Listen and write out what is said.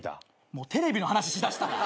もうテレビの話しだしたな。